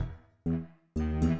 gak usah nanya